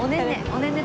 おねんね。